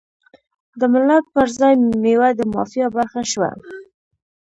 د ملت پر ځای میوه د مافیا برخه شوه.